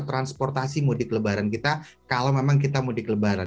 transportasi mudik lebaran kita kalau memang kita mudik lebaran